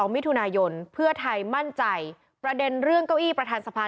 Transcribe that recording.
มิถุนายนเพื่อไทยมั่นใจประเด็นเรื่องเก้าอี้ประธานสภา